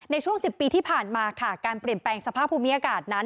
ในช่วง๑๐ปีที่ผ่านมาค่ะการเปลี่ยนแปลงสภาพภูมิอากาศนั้น